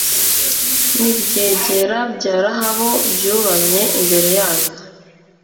n'ibyegera bya rahabu byubamye imbere yayo